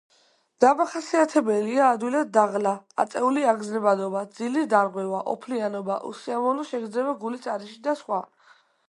დამახასიათებელია ადვილად დაღლა, აწეული აგზნებადობა, ძილის დარღვევა, ოფლიანობა, უსიამოვნო შეგრძნება გულის არეში და სხვა.